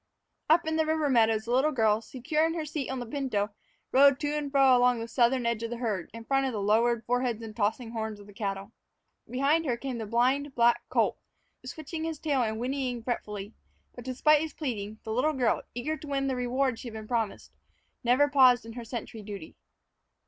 Up in the river meadows, the little girl, secure in her seat on the pinto, rode to and fro along the southern edge of the herd, in front of the lowered foreheads and tossing horns of the cattle. Behind her came the blind black colt, switching his tail and whinnying fretfully; but, despite his pleading, the little girl, eager to win the reward she had been promised, never paused in her sentry duty.